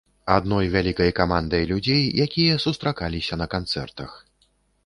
Адной вялікай камандай людзей, якія сустракаліся на канцэртах.